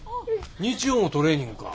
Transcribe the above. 日曜もトレーニングか。